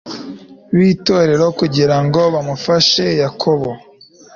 b itorero kugira ngo bamufashe yakobo